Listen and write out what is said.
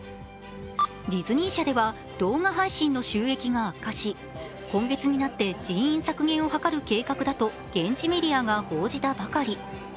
ディズニー社では動画配信の収益が悪化し今月になって人員削減を図る計画だと現地メディアが報じたばかり。